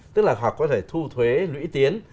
tức là hoặc có thể thu thuế lũy tiến